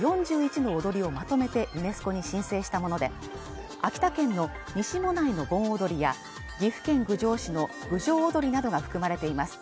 ４１の踊りをまとめてユネスコに申請したもので秋田県の西馬音内の盆踊りや岐阜県郡上市の郡上踊などが含まれています